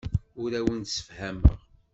Ur awen-d-ssefhameɣ.